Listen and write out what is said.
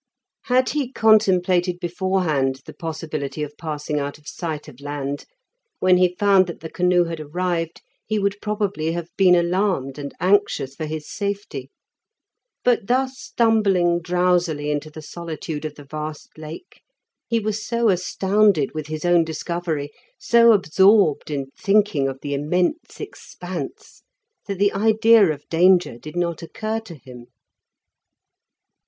Had he contemplated beforehand the possibility of passing out of sight of land, when he found that the canoe had arrived he would probably have been alarmed and anxious for his safety. But thus stumbling drowsily into the solitude of the vast Lake, he was so astounded with his own discovery, so absorbed in thinking of the immense expanse, that the idea of danger did not occur to him.